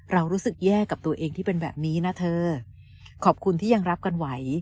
เรารู้สึกแย่กับตัวเองที่เป็นแบบนี้นะเธอขอบคุณที่ยังรับกันไหว